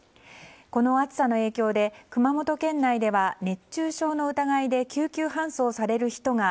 この暑さの影響で、熊本県内では熱中症の疑いで救急搬送される人が